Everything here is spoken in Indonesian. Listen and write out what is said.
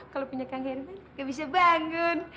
kalau punya kang herman gak bisa bangun